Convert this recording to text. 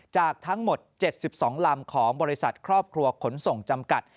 จากทั้งหมด๗๒ลำของบริษัทครอบครัวขนส่งจำกัด